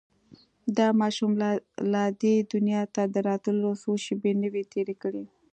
دا ماشوم لا دې دنيا ته د راتلو څو شېبې نه وې تېرې کړې.